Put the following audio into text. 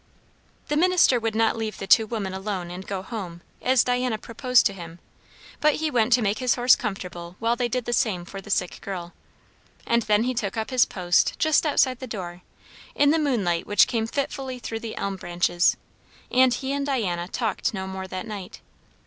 The minister would not leave the two women alone and go home, as Diana proposed to him; but he went to make his horse comfortable while they did the same for the sick girl. And then he took up his post just outside the door, in the moonlight which came fitfully through the elm branches; and he and Diana talked no more that night.